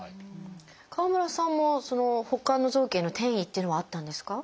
川村さんもほかの臓器への転移っていうのはあったんですか？